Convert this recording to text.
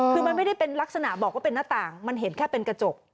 คือมันไม่ได้เป็นลักษณะบอกว่าเป็นหน้าต่างมันเห็นแค่เป็นกระจก